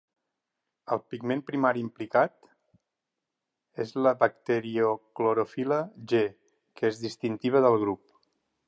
El pigment primari implicat és la bacterioclorofil·la g, que és distintiva del grup.